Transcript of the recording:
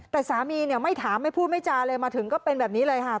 แต่สามีเนี่ยไม่ถามไม่พูดไม่จาเลยมาถึงก็เป็นแบบนี้เลยค่ะ